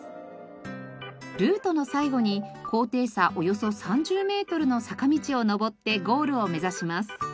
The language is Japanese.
ルートの最後に高低差およそ３０メートルの坂道を上ってゴールを目指します。